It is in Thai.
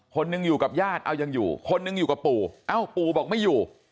คนหนึ่งอยู่กับญาติเอายังอยู่คนหนึ่งอยู่กับปู่เอ้าปู่บอกไม่อยู่